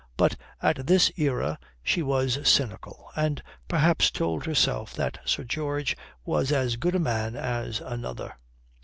But at this era she was cynical, and perhaps told herself that Sir George was as good a man as another.